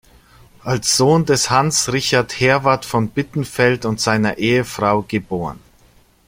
Als Sohn des Hans-Richard Herwarth von Bittenfeld und seiner Ehefrau geb.